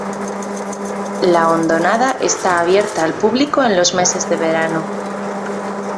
La Hondonada está abierta al público en los meses de verano.